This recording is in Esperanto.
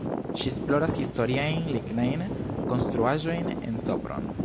Ŝi esploras historiajn lignajn konstruaĵojn en Sopron.